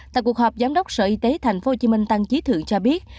tại cuộc họp giám đốc sở y tế thành phố hồ chí minh tăng trí thượng cho biết